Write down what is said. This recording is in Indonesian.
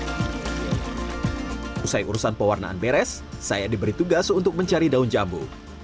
setelah urusan pewarnaan beres saya diberi tugas untuk mencari daun jambu